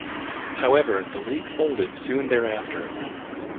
However the league folded soon thereafter.